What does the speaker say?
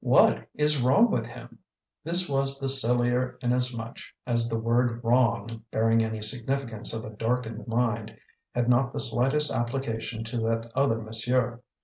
What is wrong with him?" This was the sillier inasmuch as the word "wrong" (bearing any significance of a darkened mind) had not the slightest application to "that other monsieur."